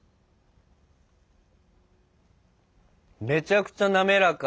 めちゃくちゃ滑らか。